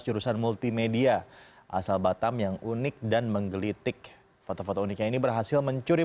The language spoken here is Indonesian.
jurusan multimedia asal batam yang unik dan menggelitik foto foto uniknya ini berhasil mencuri